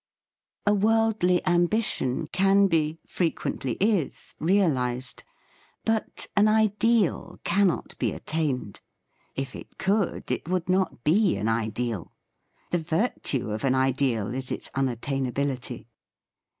A worldly ambition can be, frequent ly is, realised: but an ideal cannot be attained — if it could, it would not be an ideal. The virtue of an ideal is its unattainability.